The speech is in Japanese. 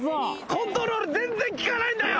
コントロール全然利かないんだよ。